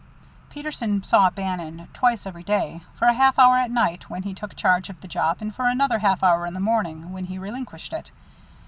Peterson saw Bannon twice every day, for a half hour at night when he took charge of the job, and for another half hour in the morning when he relinquished it.